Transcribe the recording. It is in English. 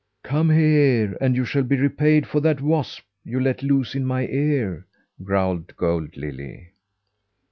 "Come here, and you shall be repaid for that wasp you let loose in my ear!" growled Gold Lily.